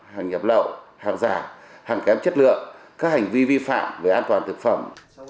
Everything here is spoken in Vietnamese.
hàng nhập lậu hàng giả hàng kém chất lượng các hành vi vi phạm về an toàn thực phẩm